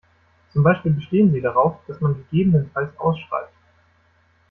Zum Beispiel bestehen sie darauf, dass man gegebenenfalls ausschreibt.